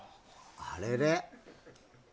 あれれ？